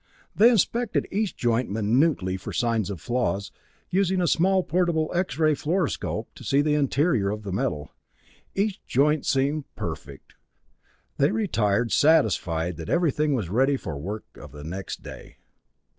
They inspected each joint minutely for signs of flaws, using a small portable X ray fluoroscope to see the interior of the metal. Each joint seemed perfect. They retired, satisfied that everything was ready for the work of the next day.